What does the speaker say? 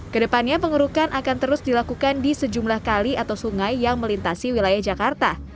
kedepannya pengerukan akan terus dilakukan di sejumlah kali atau sungai yang melintasi wilayah jakarta